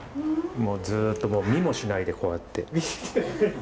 もうずっともう見もしないでこうやって。